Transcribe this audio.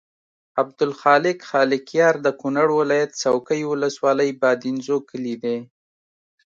عبدالخالق خالقیار د کونړ ولایت څوکۍ ولسوالۍ بادینزو کلي دی.